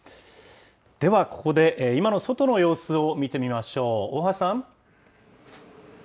では、ここで今の外の様子を見てみましょう。